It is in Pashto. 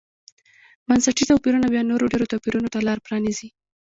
بنسټي توپیرونه بیا نورو ډېرو توپیرونو ته لار پرانېزي.